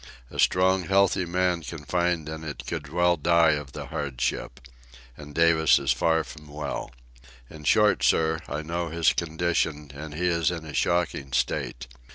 A strong healthy man confined in it could well die of the hardship. And Davis is far from well. In short, sir, I know his condition, and he is in a shocking state.